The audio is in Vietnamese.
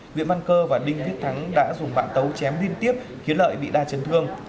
nguyễn văn cơ và đinh viết thắng đã dùng bạn tấu chém liên tiếp khiến lợi bị đa chấn thương